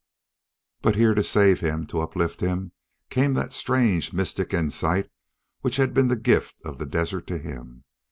But here to save him, to uplift him, came that strange mystic insight which had been the gift of the desert to him.